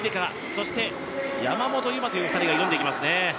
そして、山本有真という２人が挑んでいきますね。